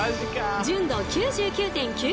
純度９９．９９％！